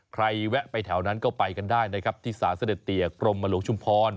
แวะไปแถวนั้นก็ไปกันได้นะครับที่สารเสด็จเตียกรมหลวงชุมพร